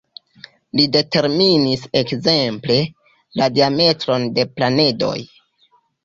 Li determinis ekzemple, la diametron de planedoj.